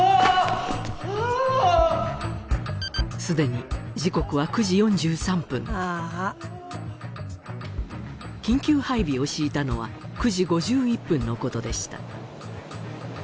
すでに時刻は緊急配備を敷いたのは９時５１分のことでした